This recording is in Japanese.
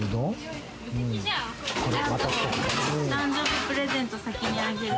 誕生日プレゼント先にあげる！